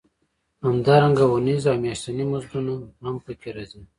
همدارنګه اونیز او میاشتني مزدونه هم پکې راځي